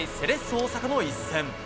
大阪の一戦。